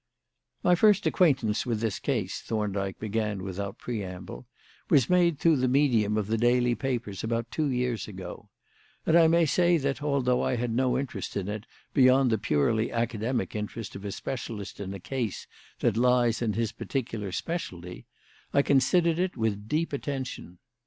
"My first acquaintance with this case," Thorndyke began without preamble, "was made through the medium of the daily papers about two years ago; and I may say that, although I had no interest in it beyond the purely academic interest of a specialist in a case that lies in his particular specialty, I considered it with deep attention.